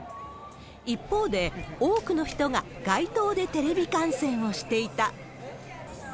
一方で、多くの人が街頭でテレビ観戦をしていた。